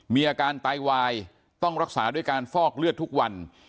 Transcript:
มีอาการไตวายต้องรักษาด้วยการฟอกเลือดทุกวัน